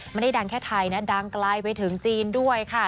ไม่ได้ดังแค่ไทยนะดังไกลไปถึงจีนด้วยค่ะ